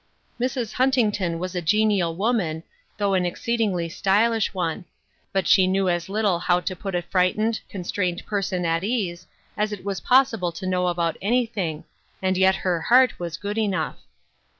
Mrs. Huntington was a genial woman, though an exceedingly stylish one ; but she knew as little how to put a frightened, con strained person at ease, as it was possible to know about anything; and yet her heart was good enough.